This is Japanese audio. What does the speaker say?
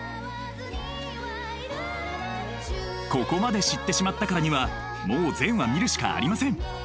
ここまで知ってしまったからにはもう全話見るしかありません。